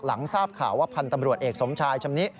หลังทราบข่าวว่าพันธ์ตำรวจเอกสมชายชำนิ